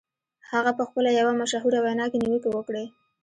هغه په خپله یوه مشهوره وینا کې نیوکې وکړې